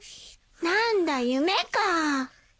何だ夢か。